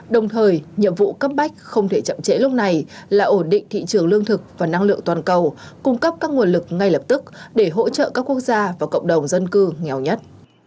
đồng thời nhiệm vụ cấp bách không thể chậm trễ lúc này là ổn định thị trường lương thực và năng lượng toàn cầu cung cấp các nguồn lực ngay lập tức để hỗ trợ các quốc gia và cộng đồng dân cư nghèo nhất